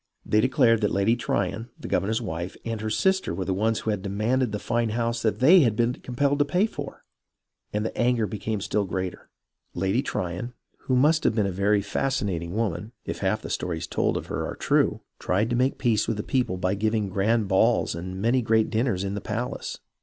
They declared that Lady Tryon, the governor's wife, and her sister were the ones who had demanded the fine house that they had been compelled to pay for ; and the anger became still greater. Lady Tryon, who must have been a very fascinating woman, if half the stories told of her are true, tried to make peace with the people by giving grand balls and 26 HISTORY OF THE AMERICAN REVOLUTION many great dinners in the palace.